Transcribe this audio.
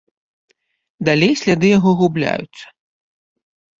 Далей сляды яго губляюцца.